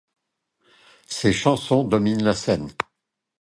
Ses chansons dominent la scène.